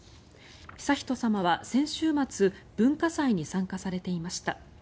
悠仁さまは先週末文化祭に参加されていました。